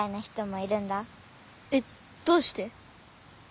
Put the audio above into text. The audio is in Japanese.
えっどうして？